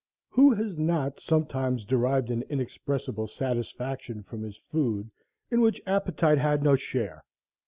Who has not sometimes derived an inexpressible satisfaction from his food in which appetite had no share?